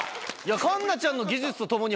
環奈ちゃんの技術とともに。